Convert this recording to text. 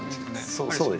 そうですね。